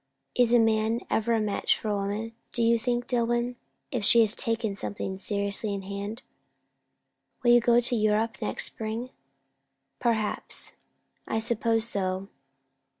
Is a man ever a match for a woman, do you think, Dillwyn, if she takes something seriously in hand?" "Will you go to Europe next spring?" "Perhaps. I suppose so."